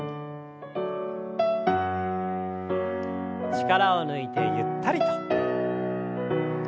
力を抜いてゆったりと。